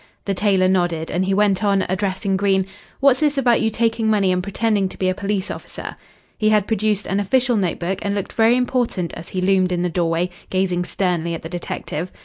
The tailor nodded, and he went on, addressing Green, "What's this about you taking money and pretending to be a police officer?" He had produced an official notebook and looked very important as he loomed in the doorway, gazing sternly at the detective.